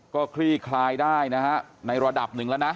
ก็คลี่คลายได้นะฮะในระดับหนึ่งแล้วนะ